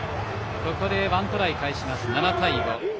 ここで１トライ返して７対５。